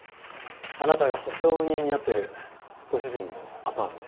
あなたが保証人になってるご主人のアパートで。